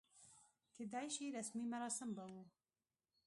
کېدای شي رسمي مراسم به و.